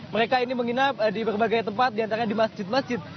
mereka ini menginap di berbagai tempat diantara di masjid masjid